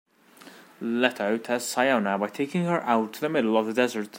Leto tests Siona by taking her out to the middle of the desert.